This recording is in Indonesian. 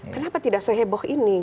kenapa tidak seheboh ini